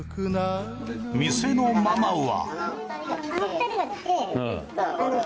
店のママは。